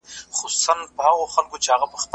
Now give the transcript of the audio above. آیا په بشري قوانینو کي د ژوند حق سته؟